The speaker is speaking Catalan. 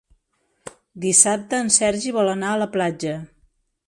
Dissabte en Sergi vol anar a la platja.